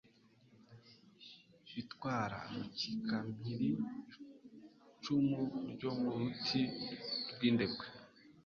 Itwara rukikampiri Icumu ryo mu ruti rw' indekwe